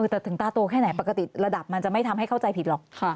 แต่ถึงตาโตแค่ไหนปกติระดับมันจะไม่ทำให้เข้าใจผิดหรอก